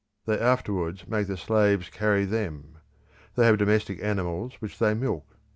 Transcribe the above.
They afterwards make the slaves carry them. They have domestic animals which they milk.